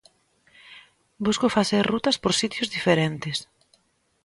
Busco facer rutas por sitios diferentes.